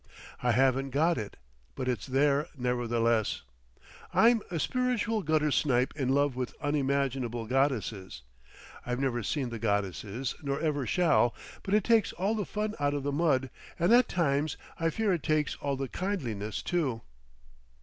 I haven't got it, but it's there nevertheless. I'm a spiritual guttersnipe in love with unimaginable goddesses. I've never seen the goddesses nor ever shall—but it takes all the fun out of the mud—and at times I fear it takes all the kindliness, too.